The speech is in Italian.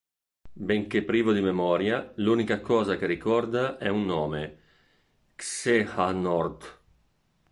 Benché privo di memoria, l'unica cosa che ricorda è un nome: "Xehanort".